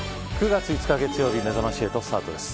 ９月５日、月曜日めざまし８、スタートです。